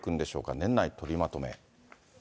年内取りまとめ。